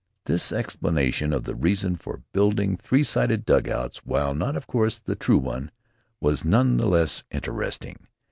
This explanation of the reason for building three sided dugouts, while not, of course, the true one, was none the less interesting.